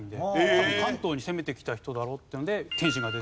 多分関東に攻めてきた人だろうっていうので。